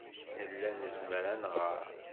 Nella nezmer ad nɣer.